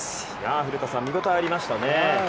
古田さん、見ごたえありました。